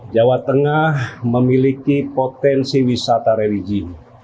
jawa tengah memiliki potensi wisata religi